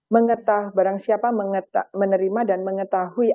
mengetahui barang siapa menerima dan mengetahui